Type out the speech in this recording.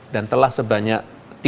dan telah sebanyak